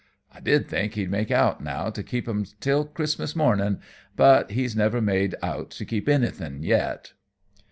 I did think he'd make out now to keep 'em till Christmas morning; but he's never made out to keep anything yet."